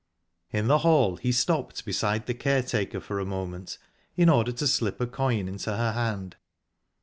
In the hall he stopped beside the caretaker for a moment in order to slip a coin into her hand.